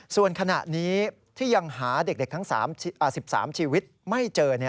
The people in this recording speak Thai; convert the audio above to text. ส่วนขณะนี้ที่ยังหาเด็กทั้ง๑๓ชีวิตไม่เจอ